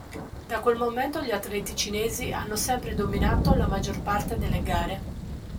Da quel momento gli atleti cinesi hanno sempre dominato la maggior parte delle gare.